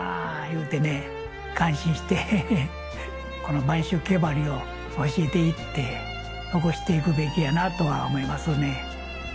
言うてね感心してこの播州毛鉤を教えていって残していくべきやなとは思いますね